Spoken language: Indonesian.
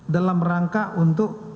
dalam rangka untuk